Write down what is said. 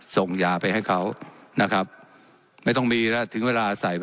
ส่งยาไปให้เขานะครับไม่ต้องมีแล้วถึงเวลาใส่ไป